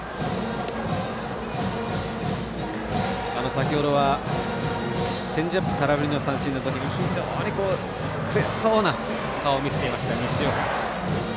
先ほどは、チェンジアップ空振り三振のときに非常に悔しそうな顔を見せていました、西岡。